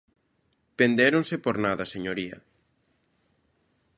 Vendéronse por nada, señoría.